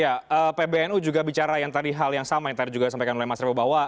ya pbnu juga bicara yang tadi hal yang sama yang tadi juga sampaikan oleh mas revo bahwa